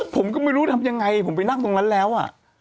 ผมก็ไม่รู้ทำยังไงผมไปนั่งตรงนั้นแล้ว